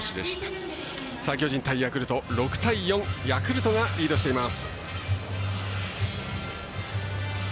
巨人対ヤクルト６対４、ヤクルトがリードしています。